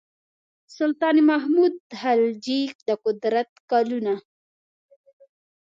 سلطان محمود خلجي د قدرت کلونه.